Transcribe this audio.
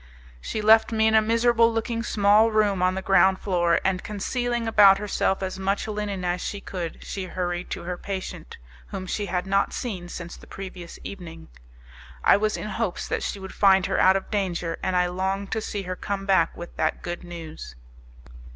She left me in a miserable looking small room on the ground floor, and concealing about herself as much linen as she could she hurried to her patient, whom she had not seen since the previous evening. I was in hopes that she would find her out of danger, and I longed to see her come back with that good news.